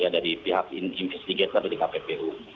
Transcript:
dari pihak investigator dari kppu